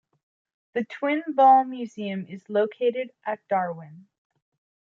The Twine Ball Museum is located at Darwin.